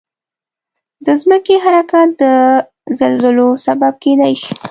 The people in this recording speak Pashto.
د ځمکې حرکت د زلزلو سبب کېدای شي.